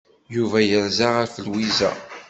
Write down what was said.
Yuba yerza ɣef Lwiza.